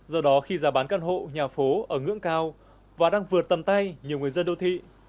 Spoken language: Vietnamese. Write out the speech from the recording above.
do đó khi giá bán căn hộ nhà phố ở ngưỡng cao và đang vượt tầm tay nhiều người dân đô thị